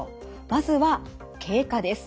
まずは経過です。